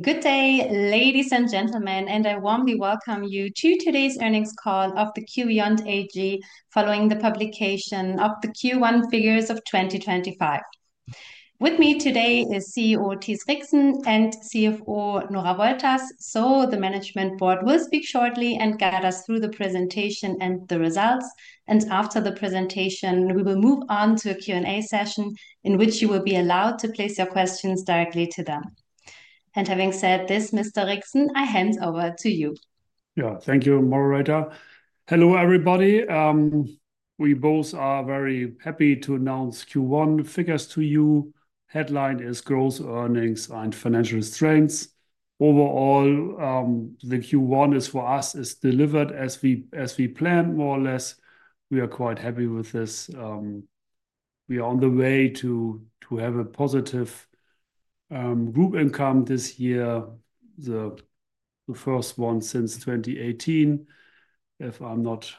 Good day, ladies and gentlemen, and I warmly welcome you to today's earnings call of q.beyond AG following the publication of the Q1 figures of 2025. With me today is CEO Thies Rixen and CFO Nora Wolters, so the management board will speak shortly and guide us through the presentation and the results. After the presentation, we will move on to a Q&A session in which you will be allowed to place your questions directly to them. Having said this, Mr. Rixen, I hand over to you. Yeah, thank you, Margareta. Hello, everybody. We both are very happy to announce Q1 figures to you. The headline is "Growth, Earnings, and Financial Strains." Overall, the Q1 is, for us, delivered as we planned, more or less. We are quite happy with this. We are on the way to have a positive group income this year, the first one since 2018, if I'm not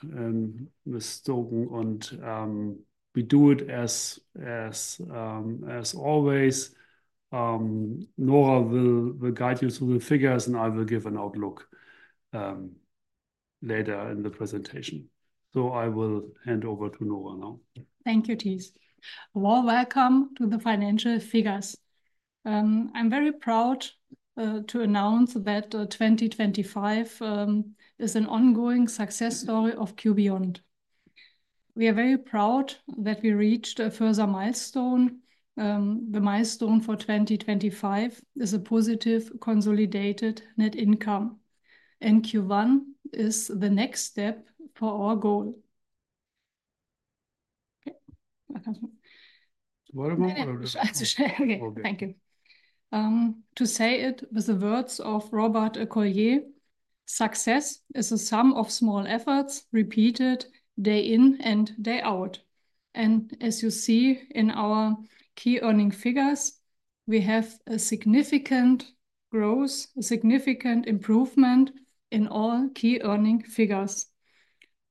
mistaken. We do it as always. Nora will guide you through the figures, and I will give an outlook later in the presentation. I will hand over to Nora now. Thank you, Thies. Welcome to the financial figures. I'm very proud to announce that 2025 is an ongoing success story of q.beyond. We are very proud that we reached a further milestone. The milestone for 2025 is a positive consolidated net income, and Q1 is the next step for our goal. Very much. Thank you. To say it with the words of Robert Collier, "Success is the sum of small efforts repeated day in and day out." As you see in our key earnings figures, we have significant growth, a significant improvement in all key earnings figures.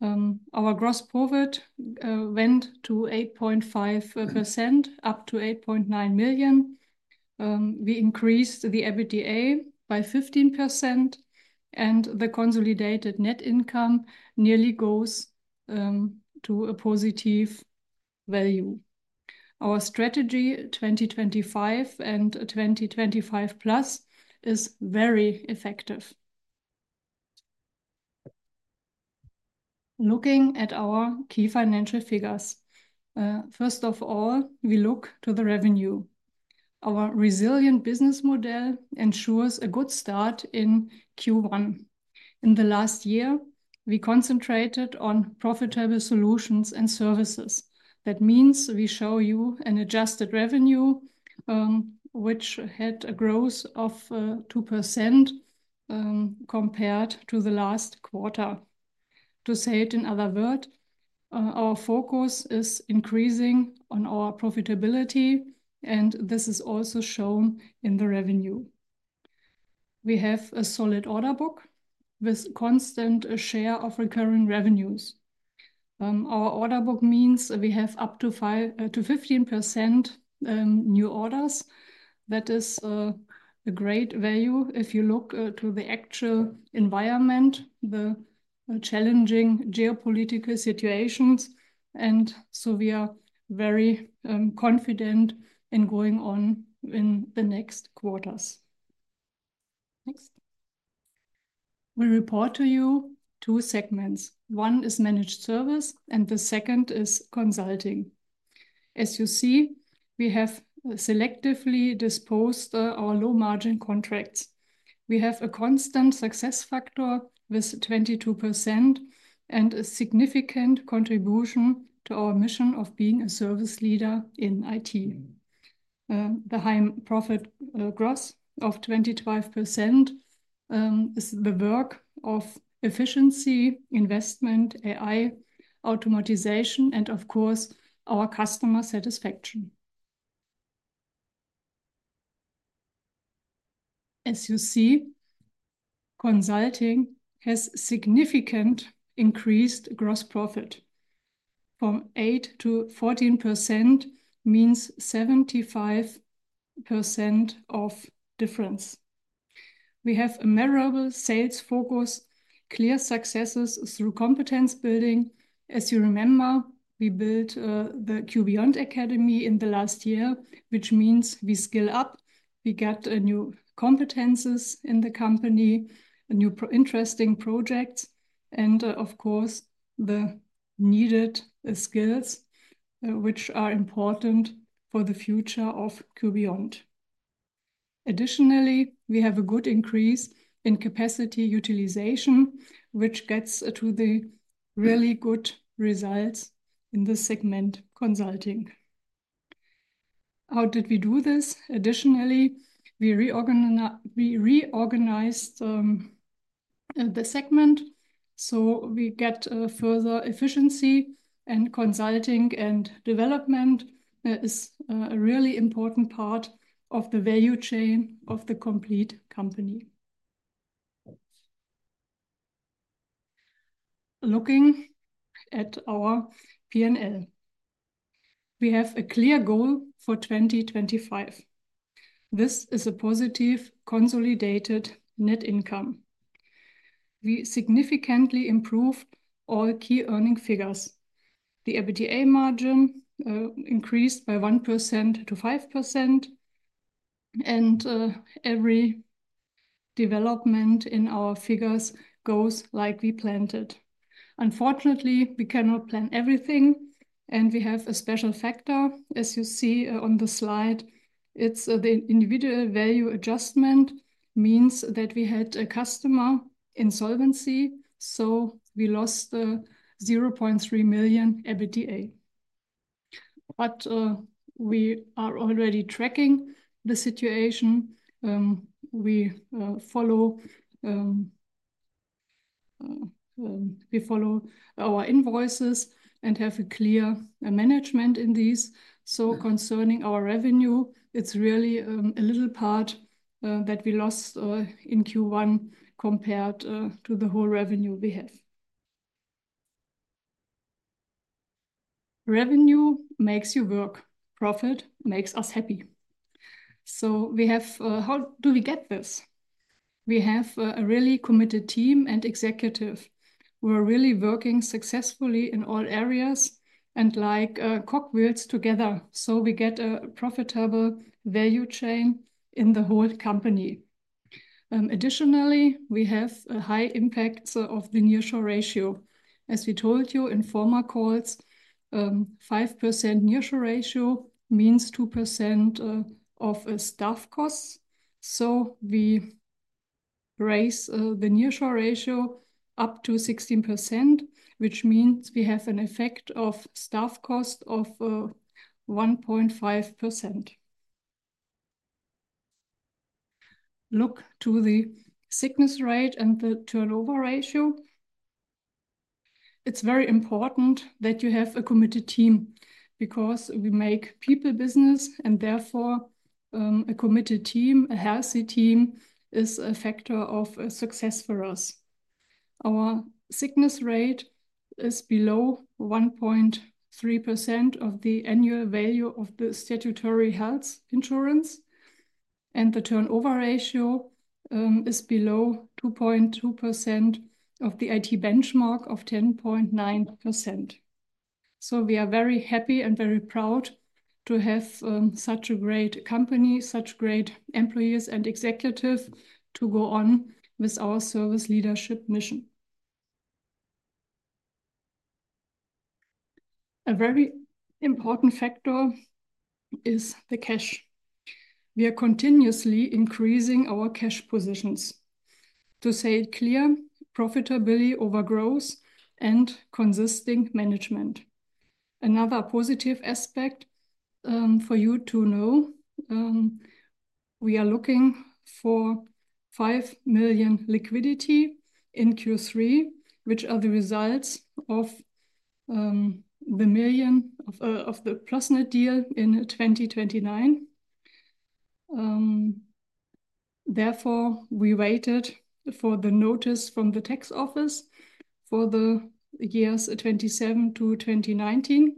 Our gross profit went to 8.5%, up to 8.9 million. We increased the EBITDA by 15%, and the consolidated net income nearly goes to a positive value. Our strategy 2025 and 2025 plus is very effective. Looking at our key financial figures, first of all, we look to the revenue. Our resilient business model ensures a good start in Q1. In the last year, we concentrated on profitable solutions and services. That means we show you an adjusted revenue, which had a growth of 2% compared to the last quarter. To say it in other words, our focus is increasing on our profitability, and this is also shown in the revenue. We have a solid order book with a constant share of recurring revenues. Our order book means we have up to 5%-15% new orders. That is a great value if you look to the actual environment, the challenging geopolitical situations. We are very confident in going on in the next quarters. Next, we report to you two segments. One is Managed Services, and the second is Consulting. As you see, we have selectively disposed of our low-margin contracts. We have a constant success factor with 22% and a significant contribution to our mission of being a service leader in IT. The high profit growth of 25% is the work of efficiency, investment, AI, automatization, and, of course, our customer satisfaction. As you see, consulting has a significant increased gross profit from 8% to 14%, means 75% of difference. We have a memorable sales focus, clear successes through competence building. As you remember, we built the q.beyond Academy in the last year, which means we skill up, we get new competencies in the company, new interesting projects, and of course, the needed skills, which are important for the future of q.beyond. Additionally, we have a good increase in capacity utilization, which gets to the really good results in the segment consulting. How did we do this? Additionally, we reorganized the segment, so we get further efficiency, and consulting and development is a really important part of the value chain of the complete company. Looking at our P&L, we have a clear goal for 2025. This is a positive consolidated net income. We significantly improved all key earnings figures. The EBITDA margin increased by 1% to 5%, and every development in our figures goes like we planned it. Unfortunately, we cannot plan everything, and we have a special factor, as you see on the slide. It is the individual value adjustment, means that we had a customer insolvency, so we lost the 0.3 million EBITDA. We are already tracking the situation. We follow our invoices and have a clear management in these. Concerning our revenue, it is really a little part that we lost in Q1 compared to the whole revenue we have. Revenue makes you work. Profit makes us happy. We have, how do we get this? We have a really committed team and executive. We are really working successfully in all areas and, like cogwheels together, so we get a profitable value chain in the whole company. Additionally, we have a high impact of the near-shore ratio. As we told you in former calls, 5% near-shore ratio means 2% of staff costs. We raise the near-shore ratio up to 16%, which means we have an effect of staff cost of 1.5%. Look to the sickness rate and the turnover ratio. It's very important that you have a committed team because we make people business, and therefore, a committed team, a healthy team, is a factor of success for us. Our sickness rate is below 1.3% of the annual value of the statutory health insurance, and the turnover ratio is below 2.2% of the IT benchmark of 10.9%. We are very happy and very proud to have such a great company, such great employees, and executives to go on with our service leadership mission. A very important factor is the cash. We are continuously increasing our cash positions. To say it clear, profitability overgrows and consisting management. Another positive aspect for you to know, we are looking for 5 million liquidity in Q3, which are the results of the million of the plus net deal in 2029. Therefore, we waited for the notice from the tax office for the years 2017 to 2019.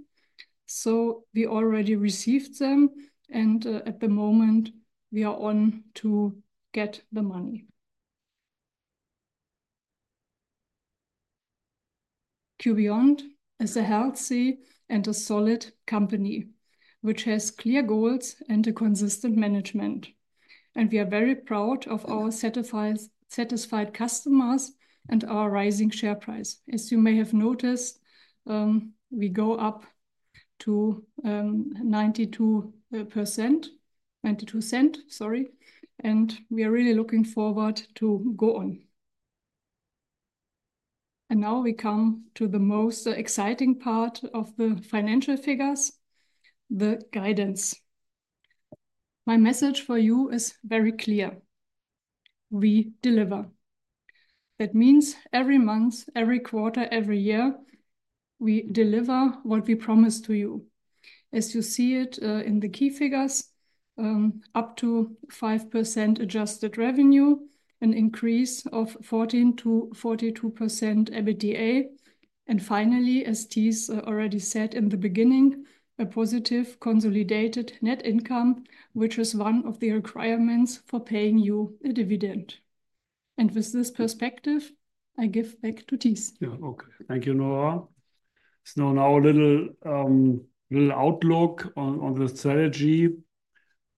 We already received them, and at the moment, we are on to get the money. q.beyond is a healthy and a solid company, which has clear goals and a consistent management. We are very proud of our satisfied customers and our rising share price. As you may have noticed, we go up to EUR 0.92, 92 cents, sorry, and we are really looking forward to go on. Now we come to the most exciting part of the financial figures, the guidance. My message for you is very clear. We deliver. That means every month, every quarter, every year, we deliver what we promised to you. As you see it in the key figures, up to 5% adjusted revenue, an increase of 14%-42% EBITDA. Finally, as Thies already said in the beginning, a positive consolidated net income which is one of the requirements for paying you a dividend. With this perspective, I give back to Thies. Yeah, okay. Thank you, Nora. Now, a little outlook on the strategy.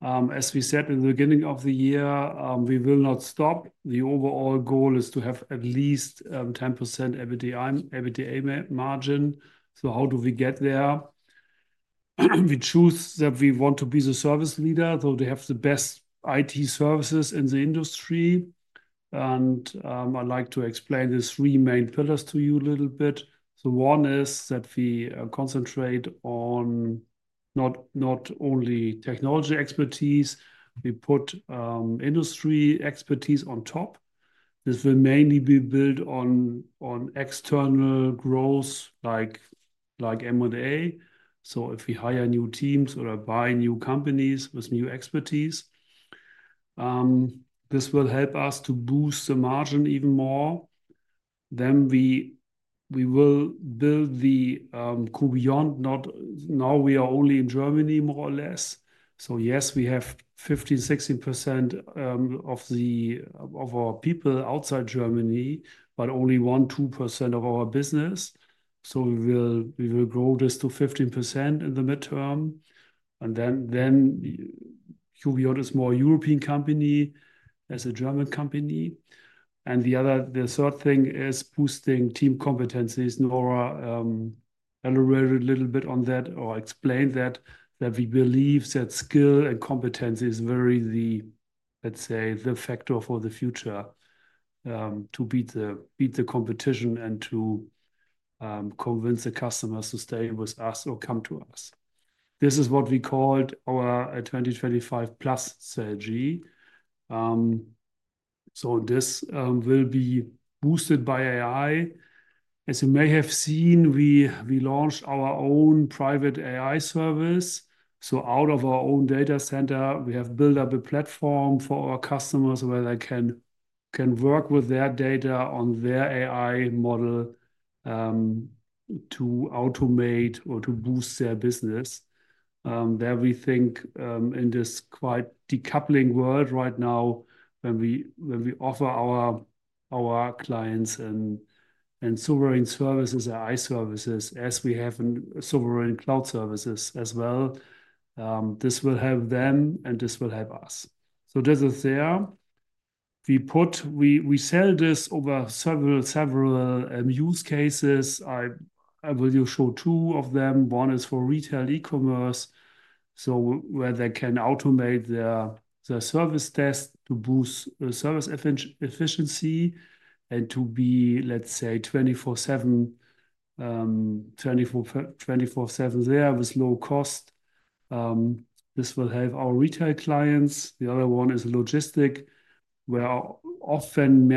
As we said in the beginning of the year, we will not stop. The overall goal is to have at least 10% EBITDA margin. How do we get there? We choose that we want to be the service leader so they have the best IT services in the industry. I'd like to explain the three main pillars to you a little bit. One is that we concentrate on not only technology expertise, we put industry expertise on top. This will mainly be built on external growth, like M&A. If we hire new teams or buy new companies with new expertise, this will help us to boost the margin even more. We will build the q.beyond, not now, we are only in Germany, more or less. Yes, we have 15%-16% of our people outside Germany, but only 1%-2% of our business. We will grow this to 15% in the midterm. q.beyond is more a European company than a German company. The third thing is boosting team competencies. Nora elaborated a little bit on that or explained that we believe that skill and competency is the factor for the future to beat the competition and to convince the customers to stay with us or come to us. This is what we called our 2025 plus strategy. This will be boosted by AI. As you may have seen, we launched our own private AI service. Out of our own data center, we have built up a platform for our customers where they can work with their data on their AI model to automate or to boost their business. We think in this quite decoupling world right now, when we offer our clients and sovereign services, AI services, as we have in sovereign cloud services as well. This will help them, and this will help us. This is there. We sell this over several use cases. I will show two of them. One is for retail e-commerce, where they can automate their service desk to boost service efficiency and to be, let's say, 24/7 there with low cost. This will help our retail clients. The other one is logistic, where there's often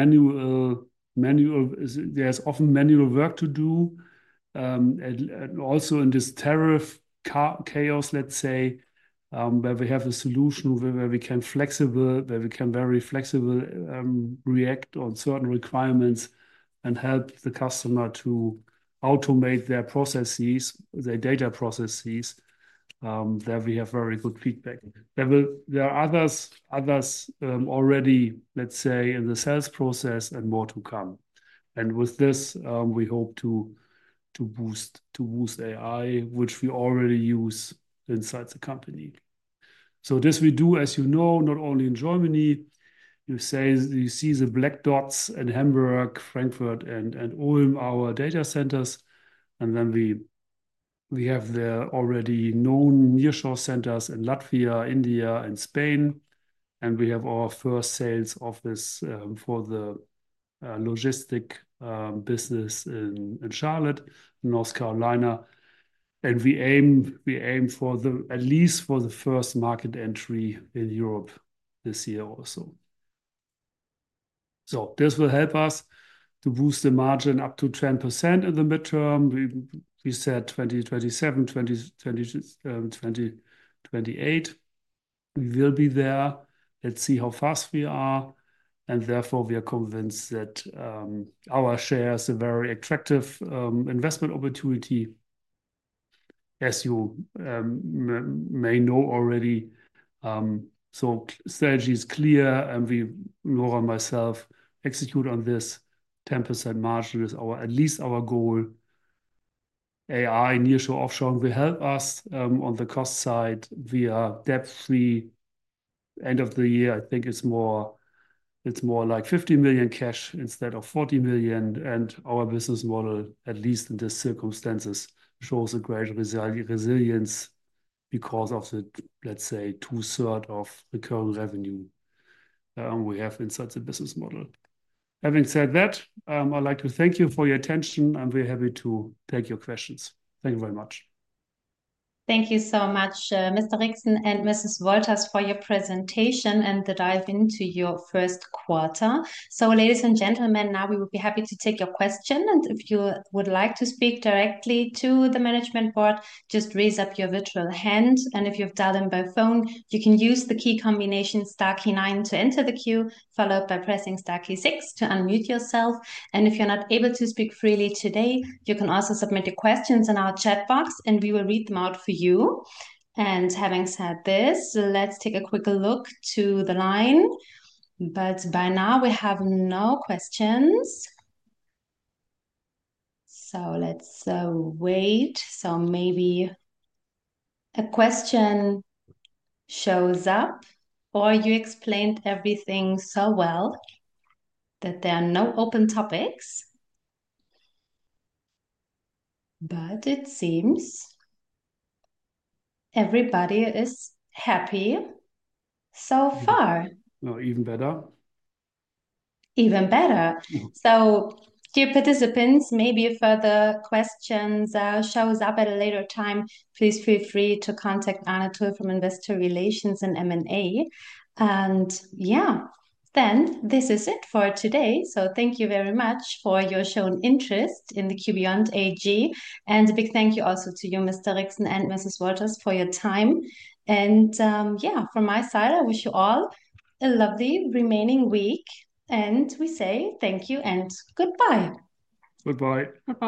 manual work to do. Also in this tariff chaos, let's say, we have a solution where we can very flexibly react on certain requirements and help the customer to automate their processes, their data processes. There we have very good feedback. There are others already, let's say, in the sales process, and more to come. With this, we hope to boost AI, which we already use inside the company. This we do, as you know, not only in Germany. You see the black dots in Hamburg, Frankfurt, and Ulm, our data centers. We have the already known nearshore centers in Latvia, India, and Spain. We have our first sales office for the logistics business in Charlotte, North Carolina. We aim for at least the first market entry in Europe this year, also. This will help us to boost the margin up to 10% in the midterm. We said 2027, 2028. We will be there. Let's see how fast we are. Therefore, we are convinced that our share is a very attractive investment opportunity. As you may know already, strategy is clear. We, Nora and myself, execute on this. 10% margin is at least our goal. AI, nearshore, offshoring will help us on the cost side. We are debt-free. End of the year, I think it's more like 50 million cash instead of 40 million. Our business model, at least in these circumstances, shows great resilience because of the, let's say, two-thirds of the current revenue we have inside the business model. Having said that, I'd like to thank you for your attention. I'm very happy to take your questions. Thank you very much. Thank you so much, Mr. Rixen and Mrs. Wolters, for your presentation and the dive into your first quarter. Ladies and gentlemen, now we would be happy to take your question. If you would like to speak directly to the management board, just raise up your virtual hand. If you have done them by phone, you can use the key combination star key nine to enter the queue, followed by pressing star key six to unmute yourself. If you are not able to speak freely today, you can also submit your questions in our chat box, and we will read them out for you. Having said this, let's take a quick look to the line. By now, we have no questions. Let's wait. Maybe a question shows up, or you explained everything so well that there are no open topics. It seems everybody is happy so far. No, even better. Even better. So, dear participants, maybe if further questions show up at a later time, please feel free to contact Anna Tull from Investor Relations and M&A. And yeah, then this is it for today. So thank you very much for your shown interest in the q.beyond AG. And a big thank you also to you, Mr. Rixen, and Mrs. Wolters for your time. And yeah, from my side, I wish you all a lovely remaining week. And we say thank you and goodbye. Goodbye.